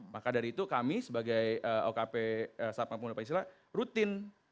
maka dari itu kami sebagai okp sabang pemuda pancasila rutin